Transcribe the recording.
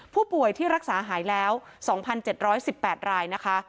ผู้ป่วยที่รักษาหายแล้ว๒๗๑๘รายนะคะ